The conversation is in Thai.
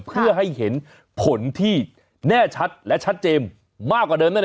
เพื่อให้เห็นผลที่แน่ชัดและชัดเจนมากกว่าเดิมนั่นแหละ